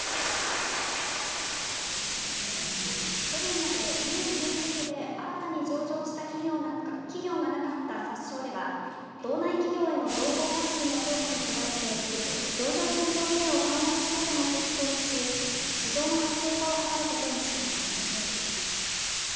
去年まで２年連続で新たに上場した企業がなかった札証では道内企業への情報発信の強化に加えて上場する条件を緩和することも検討し市場の活性化を図ることにしています。